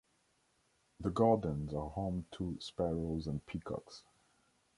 The gardens are home to sparrows and peacocks.